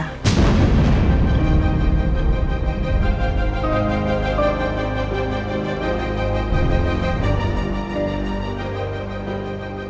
ternyata bu panti sadar